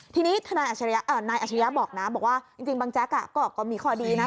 ทีนี้ทนายอัชริยะบอกนะบอกว่าจริงบางแจ๊กก็มีข้อดีนะ